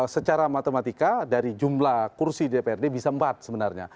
secara matematika dari jumlah kursi dprd bisa empat sebenarnya